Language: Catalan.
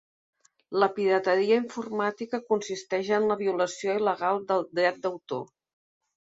La pirateria informàtica consisteix en la violació il·legal del dret d'autor.